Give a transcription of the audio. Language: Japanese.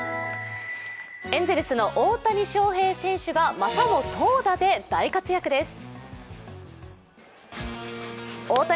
エンゼルスの大谷翔平選手がまたも投打で大活躍です。